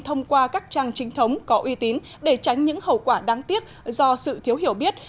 thông qua các trang chính thống có uy tín để tránh những hậu quả đáng tiếc do sự thiếu hiểu biết